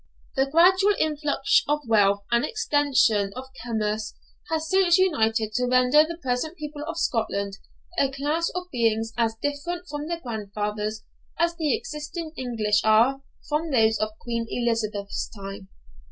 The gradual influx of wealth and extension of commerce have since united to render the present people of Scotland a class of beings as different from their grandfathers as the existing English are from those of Queen Elizabeth's time.